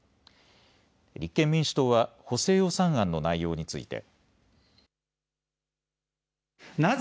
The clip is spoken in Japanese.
立憲民主党は補正予算案の内容について。